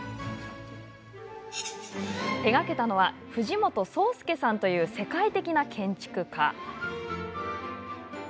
手がけたのは藤本壮介さんという世界的な建築家。